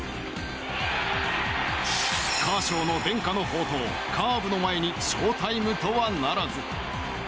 カーショウの伝家の宝刀カーブの前にショウタイムとはならず。